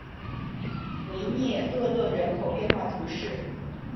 维涅厄勒人口变化图示